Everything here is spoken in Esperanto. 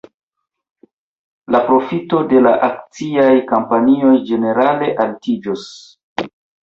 La profito de la akciaj kompanioj ĝenerale altiĝos.